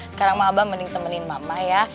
sekarang mama abah mending temenin mama ya